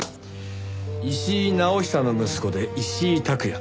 石井直久の息子で石井琢也。